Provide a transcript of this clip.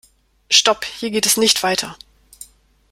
Stopp! Hier geht es nicht weiter.